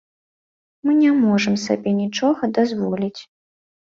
Мы не можам сабе нічога дазволіць.